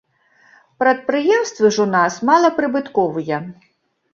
Прадпрыемствы ж у нас малапрыбытковыя.